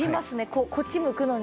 こうこっち向くのに。